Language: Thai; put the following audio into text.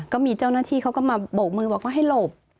ก็มีเจ้าหน้าที่เขาก็มาโบกมือบอกว่าให้หลบ